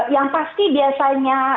yang pasti biasanya